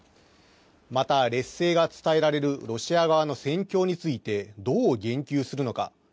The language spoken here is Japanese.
また劣勢が伝えられるロシア側の戦況について、どう言及するのか。